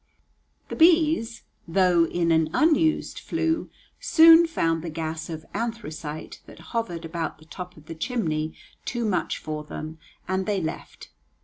The bees, though in an unused flue, soon found the gas of anthracite that hovered about the top of the chimney too much for them, and they left.